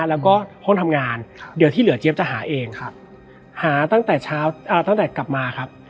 แล้วก็ห้องทำงานเดี๋ยวที่เหลือเจี๊ยบจะหาเองหาตั้งแต่เช้าตั้งแต่กลับมาครับ